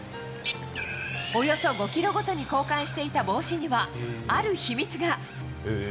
およそ５ｋｍごとに交換していた帽子には、ある秘密が。